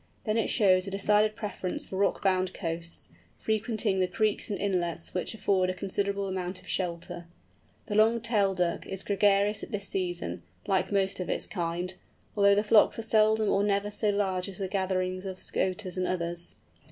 Then it shows a decided preference for rock bound coasts, frequenting the creeks and inlets which afford a considerable amount of shelter. The Long tailed Duck is gregarious at this season, like most of its kind, although the flocks are seldom or never so large as the gatherings of Scoters and others.